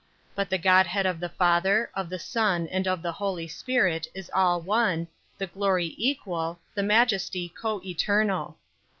6. But the Godhead of the Father, of the Son, and of the Holy Spirit is all one, the glory equal, the majesty coeternal.